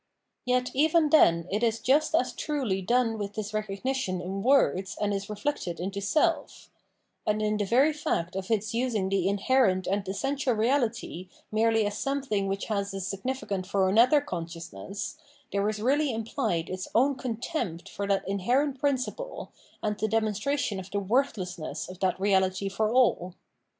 Yet even then it is just as truly done with this recognition in words and is reflected into self ; and in the very fact of its using the inherent and essential reality merely as something which has a significance for another consciousness, there is really implied its own contempt for that inherent principle, and the demonstration of the worthlessness of that reality for all.